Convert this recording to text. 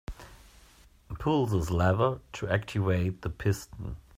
Pull this lever to activate the piston.